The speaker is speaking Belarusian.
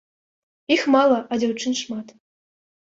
Іх мала, а дзяўчын шмат.